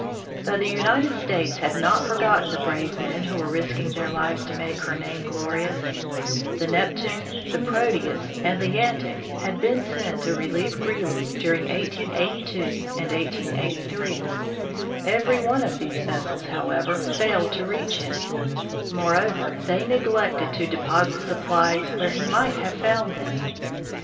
But the United States had not forgotten the brave men who were risking their lives to make her name glorious. The Neptune, the Proteus, and the Yantic had been sent to relieve Greely during 1882 and 1883. Every one of these vessels, however, failed to reach him ; moreover, they neglected to deposit supplies where he might have found them.